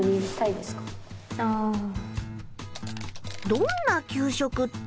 どんな給食って。